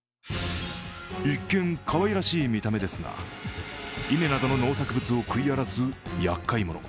一見、かわいらしい見た目ですが稲などの農作物を食い荒らすやっかい者。